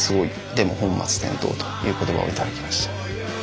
でも本末転倒」という言葉を頂きました。